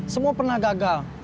semua pernah gagal